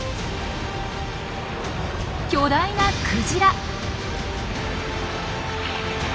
巨大なクジラ。